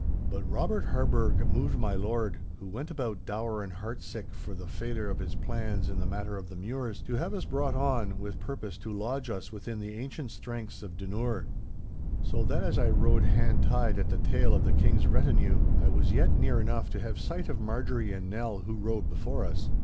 But Robert Harburgh moved my lord, who went about dour and heartsick for the failure of his plans in the matter of the Mures, to have us brought on, with purpose to lodge us within the ancient strengths of Dunure. So that as I rode hand tied at the tail of the King's retinue, I was yet near enough to have sight of Marjorie and Nell who rode before us.